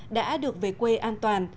đã được về quê an toàn